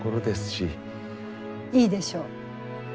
いいでしょう。